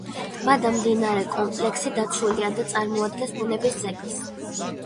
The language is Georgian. ტბა და მიმდებარე კომპლექსი დაცულია და წარმოადგენს ბუნების ძეგლს.